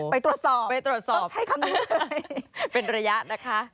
ไปตรวจสอบไปตรวจสอบใช้คำนี้เลยเป็นระยะนะคะ